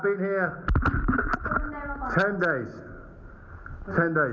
ไม่ไม่ว่าวันนี้